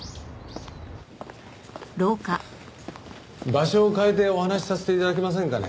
場所を変えてお話させて頂けませんかね？